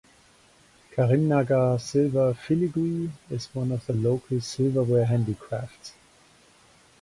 Karimnagar Silver Filigree is one of the local silverware handicrafts.